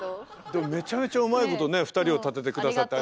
でもめちゃめちゃうまいことね２人をたてて下さって。